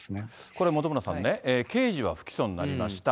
これ、本村さんね、刑事は不起訴になりました、